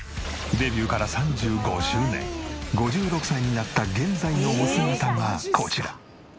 デビューから３５周年５６歳になった現在のお姿がこちら。